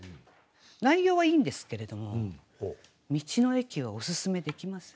内容はいいんですけれども「道の駅」はおすすめできません。